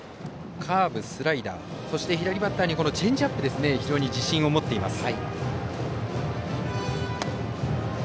カーブ、スライダー左バッターにチェンジアップ非常に自信を持っています。